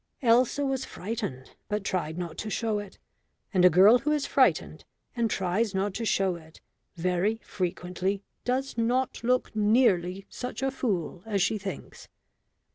Elsa was frightened, but tried not to show it, and a girl who is frightened and tries not to show it, very frequently does not look nearly such a fool as she thinks.